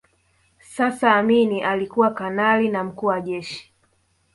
Sasa Amin alikuwa kanali na mkuu wa jeshi